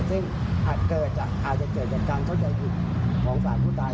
ซึ่งอาจจะเกิดจากการเข้าใจผิดของฝ่ายผู้ตาย